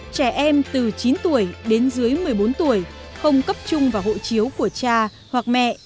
trẻ em từ chín tuổi đến dưới một mươi bốn tuổi không cấp chung vào hộ chiếu của cha hoặc mẹ